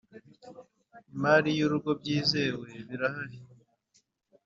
imari y urwego byizewe birahari